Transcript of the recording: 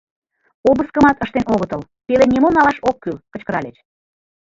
Обыскымат ыштен огытыл, «Пелен нимом налаш ок кӱл! — кычкыральыч.